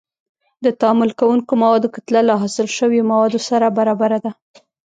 د تعامل کوونکو موادو کتله له حاصل شویو موادو سره برابره ده.